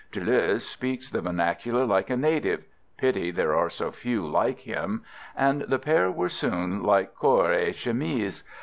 Deleuze speaks the vernacular like a native pity there are so few like him and the pair were soon like corps et chemise.